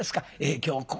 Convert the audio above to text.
今日ここ」。